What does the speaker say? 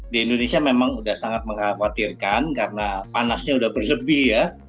di indonesia memang sudah sangat mengkhawatirkan karena panasnya sudah berlebih ya